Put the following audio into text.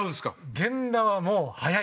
源田はもう速い。